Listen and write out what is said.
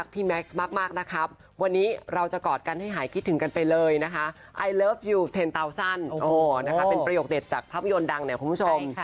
๑๐๐๐๐เป็นประโยคเด็ดจากภาพยนต์ดังของคุณผู้ชม